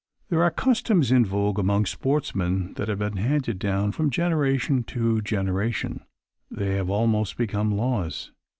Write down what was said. There are customs in vogue among sportsmen that have been handed down from generation to generation, that have almost become laws.